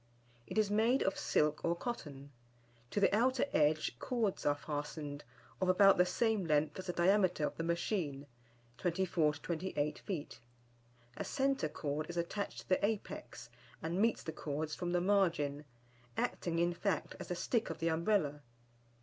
It is made of silk or cotton. To the outer edge cords are fastened, of about the same length as the diameter of the machine (24 to 28 feet). A centre cord is attached to the apex and meets the cords from the margin, acting, in fact, as the stick of the Umbrella.